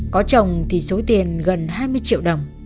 có chồng thì số tiền gần hai mươi triệu đồng